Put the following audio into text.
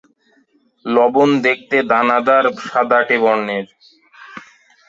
লবণ দেখতে দানাদার, সাদাটে বর্ণের।